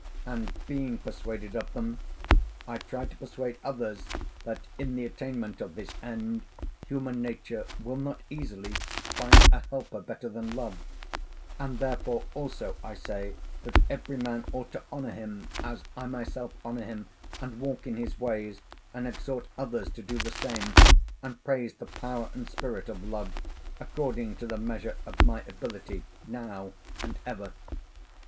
And being persuaded of them, I try to persuade others, that in the attainment of this end human nature will not easily find a helper better than love: And therefore, also, I say that every man ought to honour him as I myself honour him, and walk in his ways, and exhort others to do the same, and praise the power and spirit of love according to the measure of my ability now and ever.